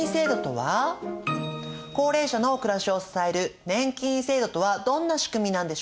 高齢者の暮らしを支える年金制度とはどんな仕組みなんでしょうか。